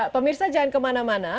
pemirsa jangan kemana mana